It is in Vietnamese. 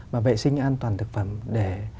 mà vệ sinh an toàn thực phẩm để